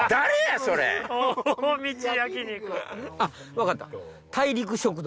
分かった！